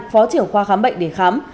phó trưởng khoa khám bệnh để khám